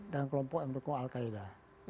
dan kelompok yang mendukung al qaeda